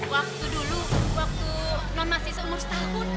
waktu dulu waktu non masih seumur setahun